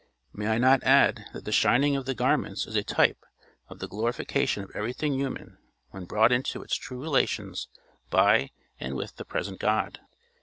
May I not add that the shining of the garments is a type of the glorification of everything human when brought into its true relations by and with the present God?